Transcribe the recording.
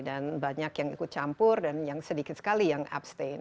dan banyak yang ikut campur dan yang sedikit sekali yang abstain